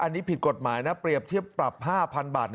อันนี้ผิดกฎหมายนะเปรียบเทียบปรับ๕๐๐๐บาท